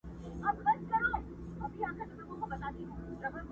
مور په دې کيسه کي تر ټولو ژور او مهم کرکټر په توګه راڅرګنديږي